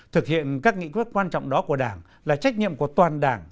thực hiện các nghị quyết quan trọng đó của đảng là trách nhiệm của toàn đảng